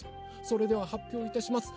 それでははっぴょういたします。